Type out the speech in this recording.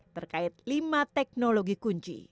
terkait lima teknologi kunci